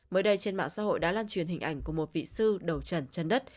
mới đây trên mạng xã hội đã lan truyền hình ảnh của một vị sư đầu trần chân đất